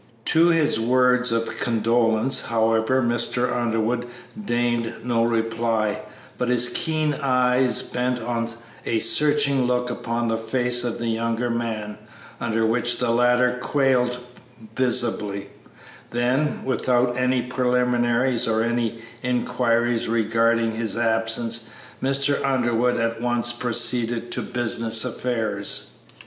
To his words of condolence, however, Mr. Underwood deigned no reply, but his keen eyes bent a searching look upon the face of the younger man, under which the latter quailed visibly; then, without any preliminaries or any inquiries regarding his absence, Mr. Underwood at once proceeded to business affairs.